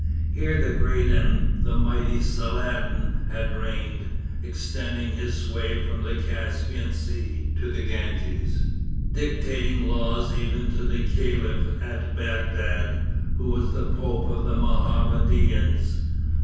Here the "great and the mighty Saladin" had reigned, extending his sway from the Caspian Sea to the Ganges, dictating laws even to the Caliph at Bagdad, who was the Pope of the Mohammedans.